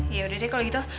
yaudah deh kalo gitu